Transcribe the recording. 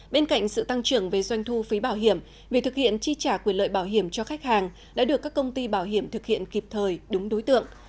bên cạnh sự tăng trưởng về doanh thu phí bảo hiểm việc thực hiện chi trả quyền lợi bảo hiểm cho khách hàng đã được các công ty bảo hiểm thực hiện kịp thời đúng đối tượng